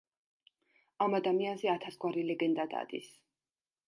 ამ ადამიანზე ათასგვარი ლეგენდა დადის.